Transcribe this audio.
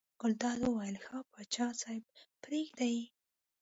ګلداد وویل ښه پاچا صاحب پرېږده یې.